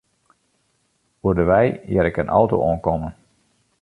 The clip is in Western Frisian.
Oer de wei hear ik in auto oankommen.